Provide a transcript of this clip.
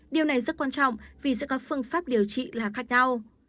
điều này rất quan trọng vì sẽ có phương pháp điều trị là khác nhau